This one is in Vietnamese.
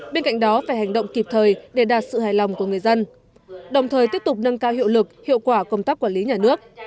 bên cạnh đó phải hành động kịp thời để đạt sự hài lòng của người dân đồng thời tiếp tục nâng cao hiệu lực hiệu quả công tác quản lý nhà nước